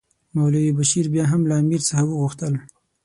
مولوي بشیر بیا هم له امیر څخه وغوښتل.